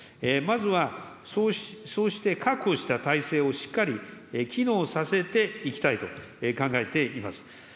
まずはそうして確保した体制をしっかり機能させていきたいと考えています。